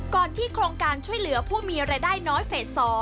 ที่โครงการช่วยเหลือผู้มีรายได้น้อยเฟส๒